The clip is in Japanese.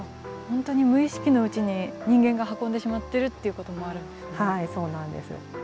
本当に無意識のうちに人間が運んでしまってるっていうこともあるんですね。